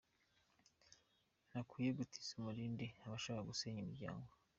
Ntakwiye gutiza umurindi abashaka gusenya imiryango.